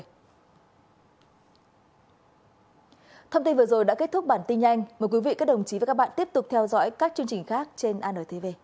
nếu bạn thích video này hãy subscribe cho kênh ghiền mì gõ để không bỏ lỡ những video hấp dẫn